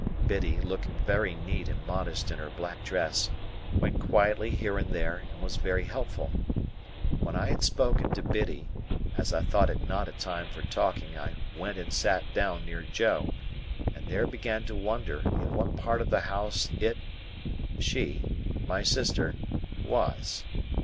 Biddy, looking very neat and modest in her black dress, went quietly here and there, and was very helpful. When I had spoken to Biddy, as I thought it not a time for talking I went and sat down near Joe, and there began to wonder in what part of the house it—she—my sister—was.